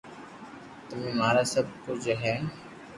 تمي مارا سب ڪوجھ ھين